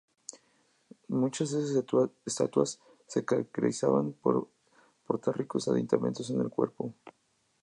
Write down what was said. Muchas de sus estatuas se caracterizaban por portar ricos aditamentos en el cuerpo.